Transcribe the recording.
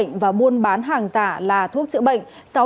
trong lúc chạy trốn bán hàng giả là thuốc chữa bệnh